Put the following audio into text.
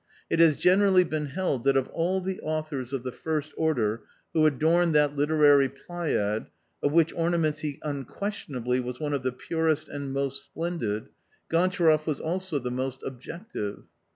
It has generally been held that of all the authors of the first order who adorned that literary Pleiad, of which ornaments he unquestionably was one of the purest and most splendid — Gontcharoff was also the most objective.